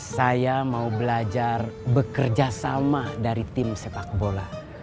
saya mau belajar bekerja sama dari tim sepak bola